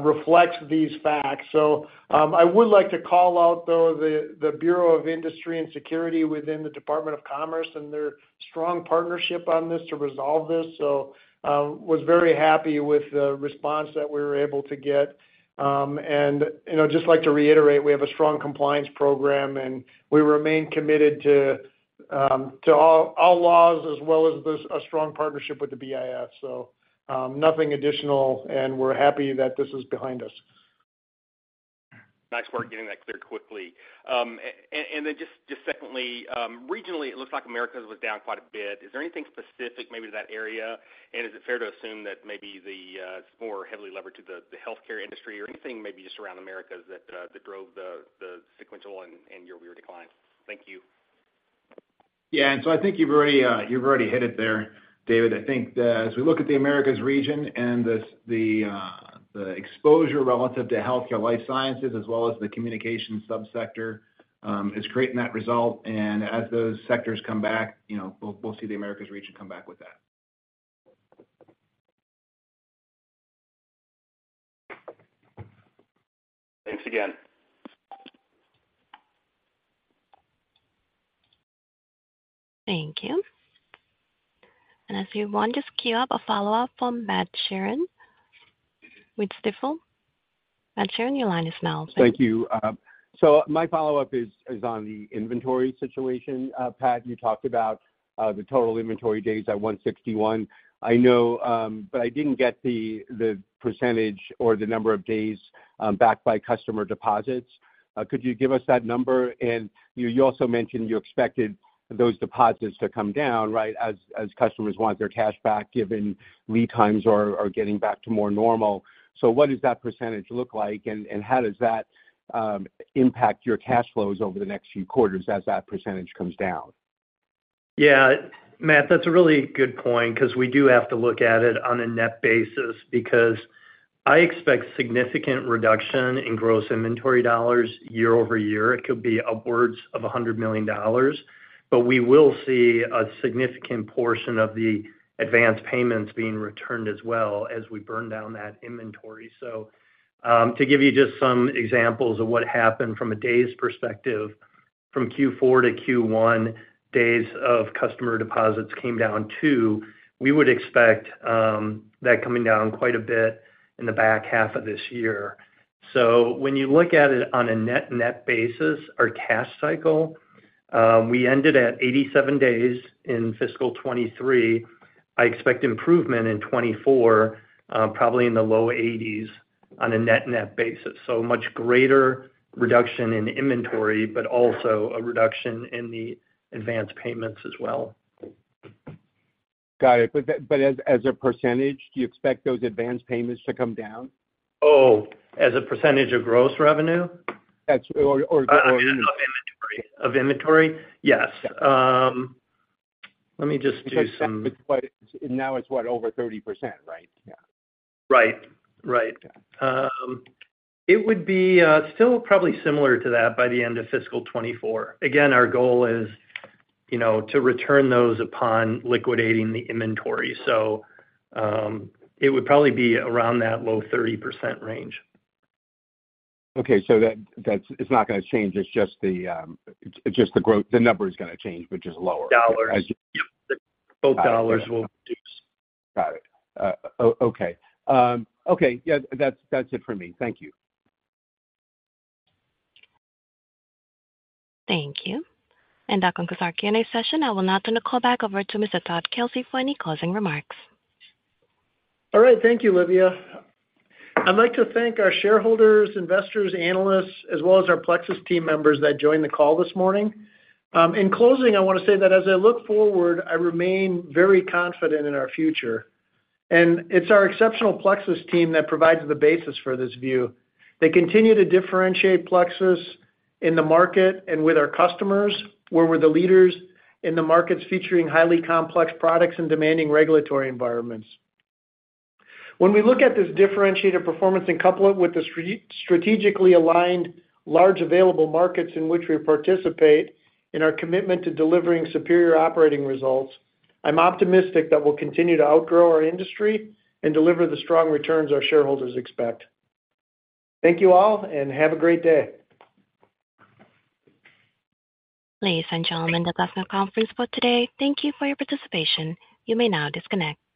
reflects these facts. So, I would like to call out, though, the Bureau of Industry and Security within the U.S. Department of Commerce and their strong partnership on this to resolve this. So, was very happy with the response that we were able to get. And, you know, just like to reiterate, we have a strong compliance program, and we remain committed to, to all, all laws as well as this, a strong partnership with the BIS. So, nothing additional, and we're happy that this is behind us. Nice work getting that cleared quickly. And then just secondly, regionally, it looks like Americas was down quite a bit. Is there anything specific maybe to that area? And is it fair to assume that maybe it's more heavily levered to the healthcare industry or anything, maybe just around Americas that that drove the sequential and year-over-year decline? Thank you. Yeah, and so I think you've already, you've already hit it there, David. I think, as we look at the Americas region and the, the exposure relative to healthcare, life sciences, as well as the communication subsector, is creating that result. And as those sectors come back, you know, we'll, we'll see the Americas region come back with that. Thanks again. Thank you. As we want to queue up a follow-up from Matthew Sheerin... with Stifel. Matthew Sheerin, your line is now open. Thank you. So my follow-up is on the inventory situation. Pat, you talked about the total inventory days at 161. I know, but I didn't get the percentage or the number of days backed by customer deposits. Could you give us that number? And you also mentioned you expected those deposits to come down, right, as customers want their cash back, given lead times are getting back to more normal. So what does that percentage look like, and how does that impact your cash flows over the next few quarters as that percentage comes down? Yeah, Matt, that's a really good point, 'cause we do have to look at it on a net basis, because I expect significant reduction in gross inventory dollars year over year. It could be upwards of $100 million, but we will see a significant portion of the advanced payments being returned as well as we burn down that inventory. So, to give you just some examples of what happened from a days perspective, from Q4 to Q1, days of customer deposits came down to, we would expect, that coming down quite a bit in the back half of this year. So when you look at it on a net-net basis, our cash cycle, we ended at 87 days in fiscal 2023. I expect improvement in 2024, probably in the low 80s on a net-net basis. Much greater reduction in inventory, but also a reduction in the advance payments as well. Got it. But as a percentage, do you expect those advanced payments to come down? Oh, as a percentage of gross revenue? That's... Of inventory. Of inventory? Yes. Let me just do some- Because that is quite, now it's what? Over 30%, right? Yeah. Right. Right. Yeah. It would be still probably similar to that by the end of fiscal 2024. Again, our goal is, you know, to return those upon liquidating the inventory. So, it would probably be around that low 30% range. Okay. So that's not gonna change, it's just the growth, the number is gonna change, which is lower. Dollars. As you- Yep. Both dollars will reduce. Got it. Okay, yeah, that's, that's it for me. Thank you. Thank you. That concludes our Q&A session. I will now turn the call back over to Mr. Todd Kelsey for any closing remarks. All right. Thank you, Livia. I'd like to thank our shareholders, investors, analysts, as well as our Plexus team members that joined the call this morning. In closing, I want to say that as I look forward, I remain very confident in our future, and it's our exceptional Plexus team that provides the basis for this view. They continue to differentiate Plexus in the market and with our customers, where we're the leaders in the markets featuring highly complex products and demanding regulatory environments. When we look at this differentiated performance and couple it with the strategically aligned, large available markets in which we participate, and our commitment to delivering superior operating results, I'm optimistic that we'll continue to outgrow our industry and deliver the strong returns our shareholders expect. Thank you all, and have a great day. Ladies and gentlemen, that does end conference call today. Thank you for your participation. You may now disconnect.